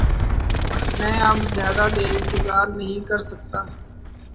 میں اب زیادہ دیر انتظار نہیں کر سکتا